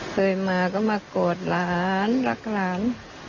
เคยมาก็มากอดหลานรักหลาน